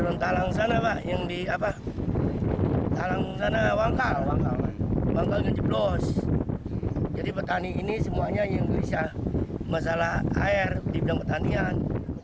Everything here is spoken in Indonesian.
masalah air di bidang petanian